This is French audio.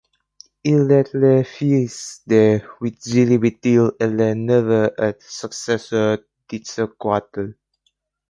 Il est le fils de Huitzilihuitl et le neveu et successeur d'Itzcoatl.